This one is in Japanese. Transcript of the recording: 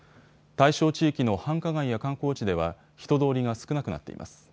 対象地域の繁華街や観光地では、人通りが少なくなっています。